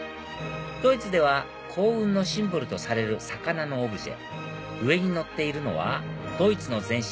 ドイツでは好運のシンボルとされる魚のオブジェ上に載っているのはドイツの前身